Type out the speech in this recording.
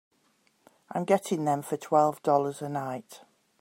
I'm getting them for twelve dollars a night.